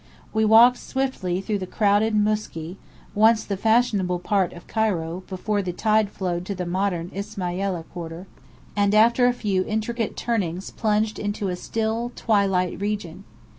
We walked swiftly through the crowded Mousky (once the fashionable part of Cairo, before the tide flowed to the modern Isma'iliya quarter), and after a few intricate turnings plunged into a still, twilight region.